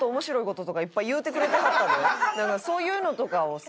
そういうのとかをさ。